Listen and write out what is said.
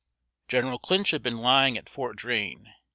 General Clinch had been lying at Fort Drane.